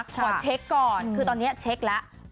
ขอเช็คก่อนคือตอนนี้เช็คแล้ว